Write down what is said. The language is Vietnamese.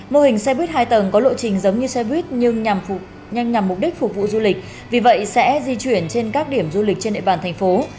mô hình xe buýt hai tầng có lộ trình giống như xe buýt nhưng nhanh nhằm mục đích phục vụ du lịch vì vậy sẽ di chuyển trên các điểm du lịch trên địa bàn thành phố